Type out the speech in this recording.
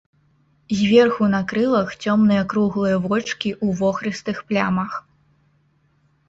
Зверху на крылах цёмныя круглыя вочкі ў вохрыстых плямах.